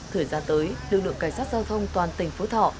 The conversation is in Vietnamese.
thời gian tới lực lượng cảnh sát giao thông toàn tỉnh phú thọ